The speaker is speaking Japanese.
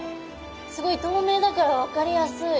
すごいとうめいだから分かりやすい。